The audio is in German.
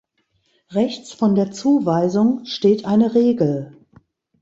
Rechts von der Zuweisung steht eine Regel.